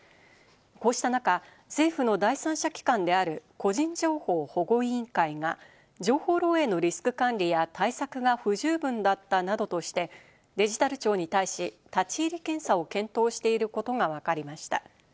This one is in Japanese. こうした中、政府の第三者機関である個人情報保護委員会が、情報漏えいのリスク管理や対策が不十分だったなどとして、デジタル庁に対し、立ち入り検査を検討していることがわかりました。